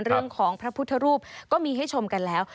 เรื่องของพระพุทธรูปก็มีให้ชมกันแล้ว